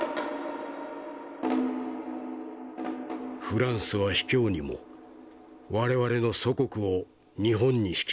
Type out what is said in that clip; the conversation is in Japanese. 「フランスは卑怯にも我々の祖国を日本に引き渡した。